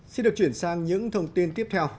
xin được chuyển sang những thông tin tiếp theo